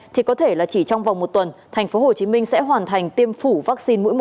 thì có thể là chỉ trong vòng một tuần tp hcm sẽ hoàn thành tiêm phủ vaccine mũi một